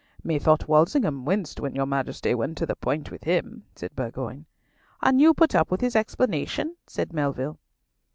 "Methought Walsingham winced when your Majesty went to the point with him," said Bourgoin. "And you put up with his explanation?" said Melville.